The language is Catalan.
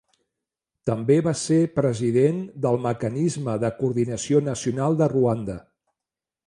També va ser president del Mecanisme de Coordinació Nacional de Ruanda.